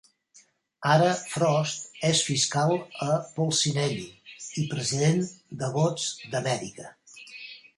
Ara Frost és fiscal a Polsinelli i president de Vots d'Amèrica.